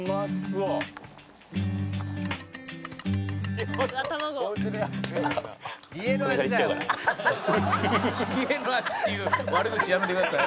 「うわっ卵」「家の味っていう悪口やめてください」